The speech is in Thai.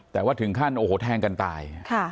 แต่ว่าถึงขั้นโอ้โหแทงกันตาย